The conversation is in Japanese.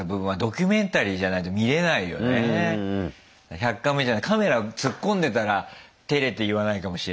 １００カメじゃないカメラ突っ込んでたらてれて言わないかもしれないし。